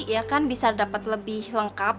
ya kan bisa dapat lebih lengkap